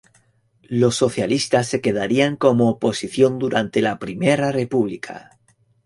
Los socialistas se quedarían como oposición durante la Primera República.